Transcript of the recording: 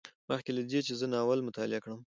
مخکې له دې چې زه ناول مطالعه کړم